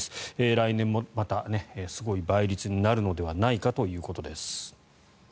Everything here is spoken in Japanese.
来年もまたすごい倍率になるのではないかということです。